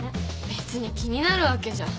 別に気になるわけじゃ。